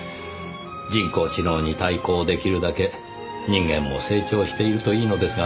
人工知能に対抗出来るだけ人間も成長しているといいのですがねぇ。